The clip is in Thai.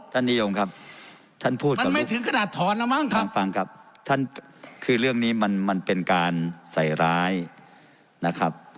ท่านนิยมครับท่านพูดกับลูกสาวฟังครับคือเรื่องนี้มันเป็นการใส่ร้ายนะครับ